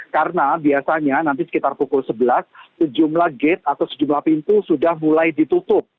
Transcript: karena biasanya nanti sekitar pukul sebelas sejumlah gate atau sejumlah pintu sudah mulai ditutup